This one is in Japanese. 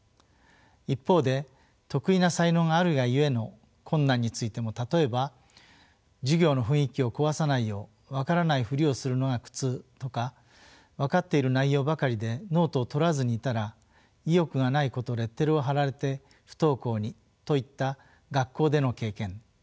一方で特異な才能があるがゆえの困難についても例えば授業の雰囲気を壊さないようわからないふりをするのが苦痛とかわかっている内容ばかりでノートをとらずにいたら意欲がない子とレッテルを貼られて不登校にといった学校での経験。